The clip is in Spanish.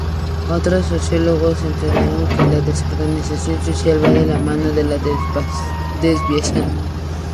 Otros sociólogos encontraron que la desorganización social va de la mano de la desviación.